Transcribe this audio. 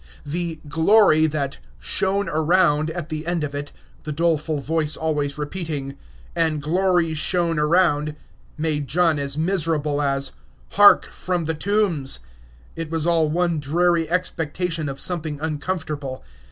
The "glory" that "shone around" at the end of it the doleful voice always repeating, "and glory shone around " made John as miserable as "Hark! from the tombs." It was all one dreary expectation of something uncomfortable.